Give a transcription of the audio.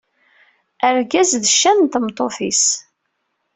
Argaz d ccan n tmeṭṭut-is.